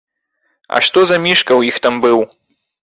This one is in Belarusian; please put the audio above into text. А што за мішка ў іх там быў?